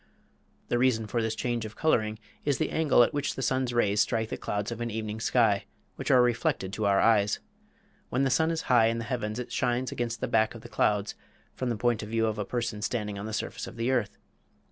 The reason for this change of coloring is the angle at which the sun's rays strike the clouds of an evening sky, which are reflected to our eyes. When the sun is high in the heavens it shines against the back of the clouds, from the point of view of a person standing on the surface of the earth.